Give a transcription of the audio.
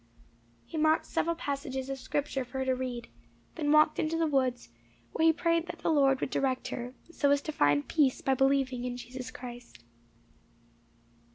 He marked several passages of Scripture for her to read; then walked into the woods, where he prayed that the Lord would direct her, so as to find peace by believing in Jesus Christ.